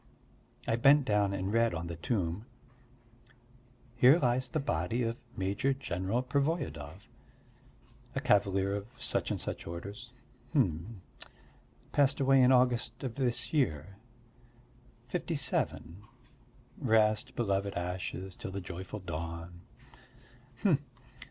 I bent down and read on the tomb: "Here lies the body of Major General Pervoyedov ... a cavalier of such and such orders." Hm! "Passed away in August of this year ... fifty seven.... Rest, beloved ashes, till the joyful dawn!"